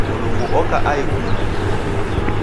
Mlungu oka aighu mlungunyi.